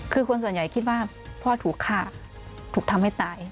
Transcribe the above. คือคนส่วนใหญ่คิดว่าพ่อถูกฆ่าถูกทำให้ตาย